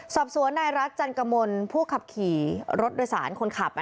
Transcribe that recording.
สอบสวนนายรัฐจันกมลผู้ขับขี่รถโดยสารคนขับ